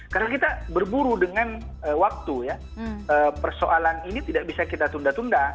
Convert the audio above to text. karena kita berburu dengan waktu ya persoalan ini tidak bisa kita tunda tunda